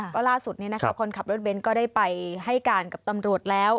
ก็ล่าสุดคนขับรถเบนท์ก็ได้ไปให้การกับตำรวจแล้ว